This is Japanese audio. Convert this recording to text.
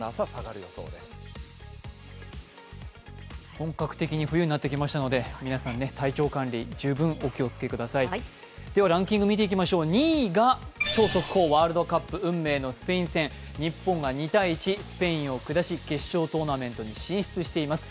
本格的に冬になってきましたので、皆さん、体調管理、十分お気をつけくださいランキング見ていきましょう、２位が超速報、ワールドカップ運命のスペイン戦、日本が２−１、スペインを下し決勝トーナメントに進出しています。